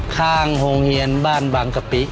ข้างห้องเฮียนบ้านบางกะปิ